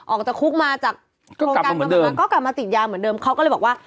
ออกจากคุกมาจากโครงการประมาณนั้นก็กลับมาติดยาเหมือนเดิมเขาก็เลยบอกว่า